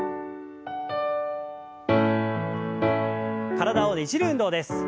体をねじる運動です。